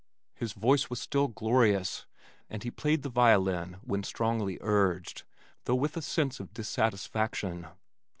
His voice was still glorious and he played the violin when strongly urged, though with a sense of dissatisfaction.